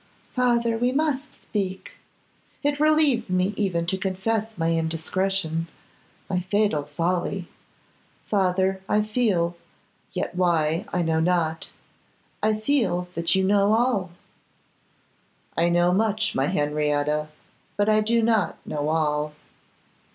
'Father, we must speak. It relieves me even to confess my indiscretion, my fatal folly. Father, I feel, yet why, I know not, I feel that you know all!' 'I know much, my Henrietta, but I do not know all.